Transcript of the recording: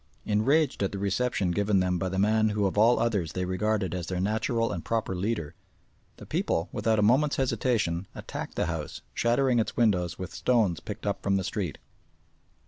Enraged at the reception given them by the man who of all others they regarded as their natural and proper leader, the people, without a moment's hesitation, attacked the house, shattering its windows with stones picked up from the street.